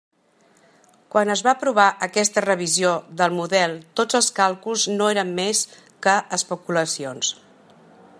Quan es va aprovar aquesta revisió del model tots els càlculs no eren més que especulacions.